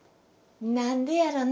何でやろな。